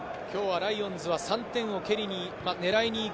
今日はライオンズは３点を蹴りに狙いにいく。